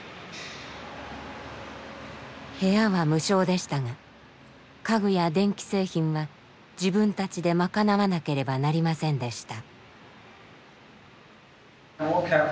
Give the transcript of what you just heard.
部屋は無償でしたが家具や電気製品は自分たちで賄わなければなりませんでした。